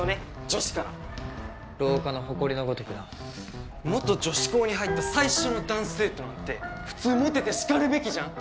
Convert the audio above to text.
女子から廊下のホコリのごとくな元女子校に入った最初の男子生徒なんて普通モテてしかるべきじゃん？